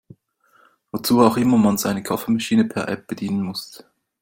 Wozu auch immer man seine Kaffeemaschine per App bedienen muss.